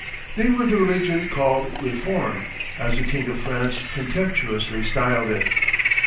They were of the religion "called Reformed," as the king of France contemptuously styled it.